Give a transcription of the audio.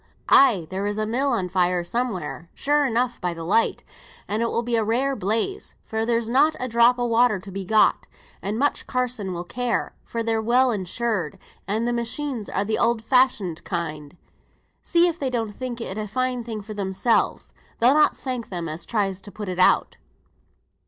Ay, there is a mill on fire somewhere, sure enough, by the light, and it will be a rare blaze, for there's not a drop o' water to be got. And much Carsons will care, for they're well insured, and the machines are a' th' oud fashioned kind. See if they don't think it a fine thing for themselves. They'll not thank them as tries to put it out."